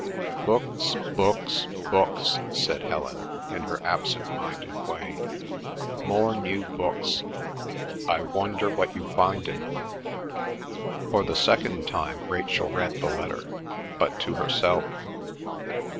"Books—books—books," said Helen, in her absent minded way. "More new books—I wonder what you find in them. ..." For the second time Rachel read the letter, but to herself.